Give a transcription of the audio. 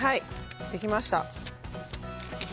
できました。